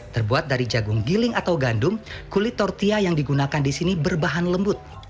terbuat dari jagung giling atau gandum kulit tortilla yang digunakan di sini berbahan lembut